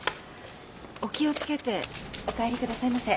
お気をつけてお帰りくださいませ。